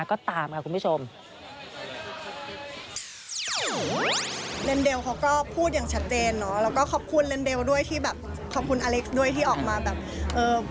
ขอบคุณอเล็กซ์ด้วยที่ออกมาแบบ